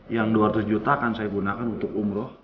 yang dua ratus juta akan saya gunakan untuk umroh